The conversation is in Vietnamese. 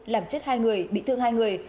làm chết hai người bị thương hai người